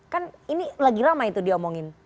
kan ini lagi lama itu diomongin